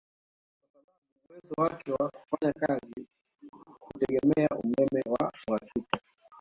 Kwa sababu uwezo wake wa kufanya kazi hutegemea umeme wa uhakika